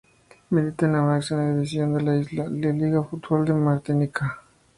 Milita en la máxima división de la isla, la Liga de Fútbol de Martinica.